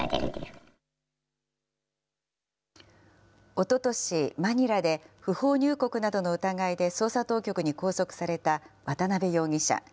おととし、マニラで不法入国などの疑いで捜査当局に拘束された渡邉容疑者。